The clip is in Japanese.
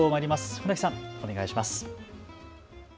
船木さん、お願いします。